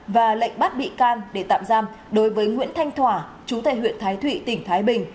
và lệnh bắt bị can để tạm giam đối với nguyễn thanh thỏa chú tại huyện thái thụy tỉnh thái bình